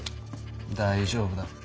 大丈夫だ。